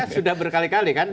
sudah berkali kali kan